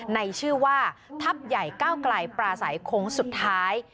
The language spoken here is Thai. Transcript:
ในชื่อว่าทัพใหญ่ก้าวไกลปราศัยโค้งสุดท้าย